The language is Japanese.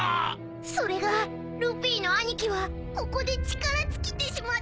［それがルフィの兄貴はここで力尽きてしまったでやんす］